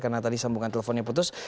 karena tadi sambungan teleponnya putus